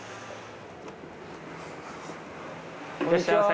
いらっしゃいませ。